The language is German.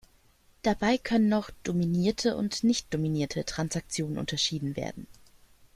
Dabei können noch "dominierte" und "nicht dominierte" Transaktionen unterschieden werden.